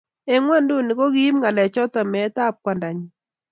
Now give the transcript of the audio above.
Eng ngwenduni, ko kiib ngalechoto meetab kwandanyi